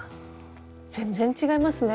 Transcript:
全然違いますね。